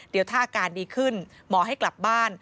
เดี๋ยวถ้าอาการดีขึ้นหมอให้กลับบ้าน